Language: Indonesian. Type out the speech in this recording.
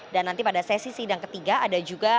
dan nanti pada sesi sidang ketiga ada juga